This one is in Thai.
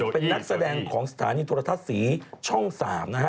เป็นนักแสดงของสถานีโทรทัศน์ศรีช่อง๓นะฮะ